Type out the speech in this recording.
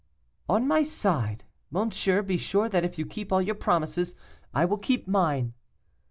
'On my side! monsieur, be sure that if you keep all your promises, I will keep mine.